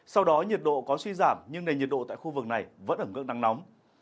sau đó nhiệt độ có suy giảm nhưng nền nhiệt độ tại khu vực này vẫn ở ngưỡng nắng nóng